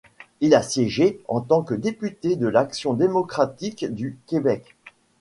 Il a siégé en tant que député de l'Action démocratique du Québec.